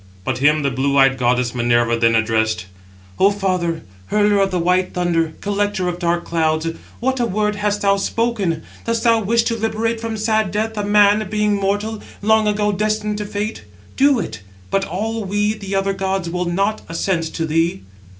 But him the blue eyed goddess Minerva then addressed: "O father, hurler of the white thunder, [collector] of dark clouds, what a word hast thou spoken! Dost thou wish to liberate from sad death a man, being mortal, long ago destined to fate? Do it: but all we, the other gods, will not assent to thee."